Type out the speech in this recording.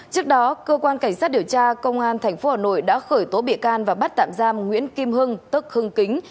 trước đó cơ quan cảnh sát điều tra công an tp hà nội đã khởi tố bị can và bắt tạm giam nguyễn kim hưng tức hưng kính